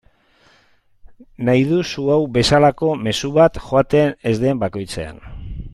Nahi duzu hau bezalako mezu bat joaten ez den bakoitzean.